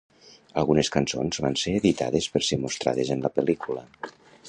Algunes cançons van ser editades per ser mostrades en la pel·lícula.